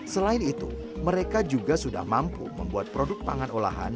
selain itu mereka juga sudah mampu membuat produk pangan olahan